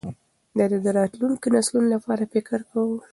ده د راتلونکو نسلونو لپاره فکر کاوه.